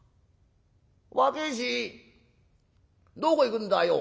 「若え衆どこ行くんだよ。